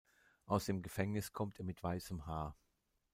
Aus dem Gefängnis kommt er mit weißem Haar.